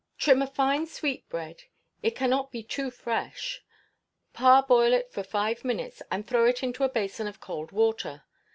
Trim a fine sweetbread (it cannot be too fresh); parboil it for five minutes, and throw it into a basin of cold water.